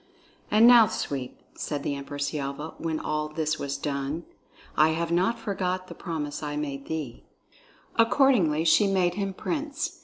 "And now, Sweep," said the Empress Yelva, when all this was done, "I have not forgot the promise that I made thee." Accordingly she made him prince.